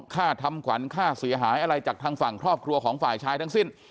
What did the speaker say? ค่าทำขวัญค่าเสียหายอะไรจากทางฝั่งครอบครัวของฝ่ายชายทั้งสิ้น